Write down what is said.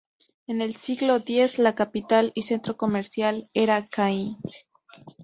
En el siglo X la capital y centro comercial era Kain.